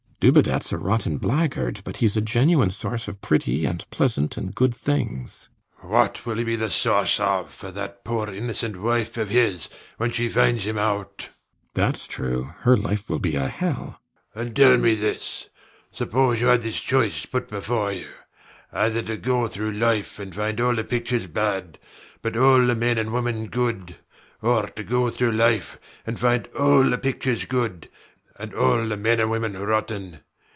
Dubedat's a rotten blackguard; but he's a genuine source of pretty and pleasant and good things. SIR PATRICK. What will he be a source of for that poor innocent wife of his, when she finds him out? RIDGEON. Thats true. Her life will be a hell. SIR PATRICK. And tell me this. Suppose you had this choice put before you: either to go through life and find all the pictures bad but all the men and women good, or to go through life and find all the pictures good and all the men and women rotten.